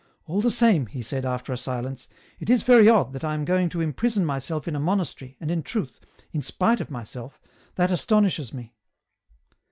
All the same," he said, after a silence, " it is very odd that I am going to imprison myself in a monastery, and in truth, in spite of myself, that astonishes me."